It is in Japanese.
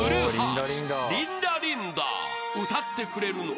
［歌ってくれるのは］